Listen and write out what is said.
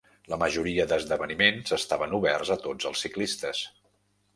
La majoria d'esdeveniments estaven oberts a tots els ciclistes.